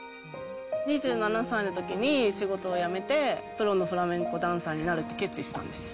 ２７歳のときに仕事を辞めて、プロのフラメンコダンサーになるって決意したんです。